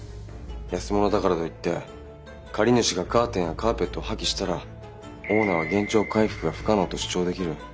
安物だからといって借り主がカーテンやカーペットを破棄したらオーナーは原状回復が不可能と主張できる。